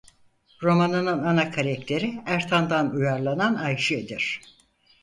Romanının ana karakteri Ertan'dan uyarlanan Ayşe'dir.